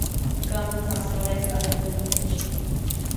» կամ «ասպարէզ առեւտուրի մէջ։